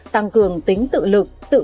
tăng cường tính tự lực tự công